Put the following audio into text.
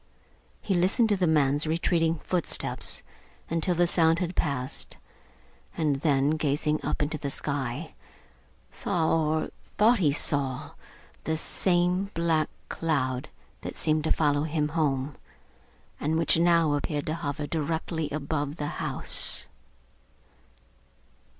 He listened to the man's retreating footsteps until the sound had passed, and then, gazing up into the sky, saw, or thought he saw, the same black cloud that had seemed to follow him home, and which now appeared to hover directly above the house.